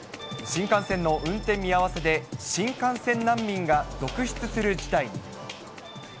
新幹線の運転見合わせで、新幹線難民が続出する事態に。